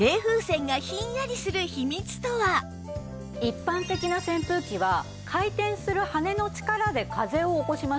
では一般的な扇風機は回転する羽根の力で風を起こします。